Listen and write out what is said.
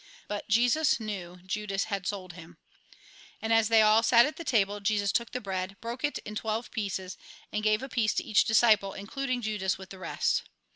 But Jesus knew Judas had sold him. And as they all sat at table, Jesus took bread, broke it in twelve pieces, and gave a piece to each disciple, including Judas with the rest.